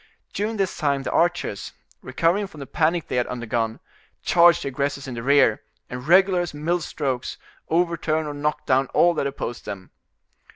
During this time the archers, recovering from the panic they had undergone, charge the aggressors in the rear, and regular as mill strokes, overturn or knock down all that opposed them.